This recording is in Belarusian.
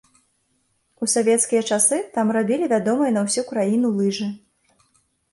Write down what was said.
У савецкія часы там рабілі вядомыя на ўсю краіну лыжы.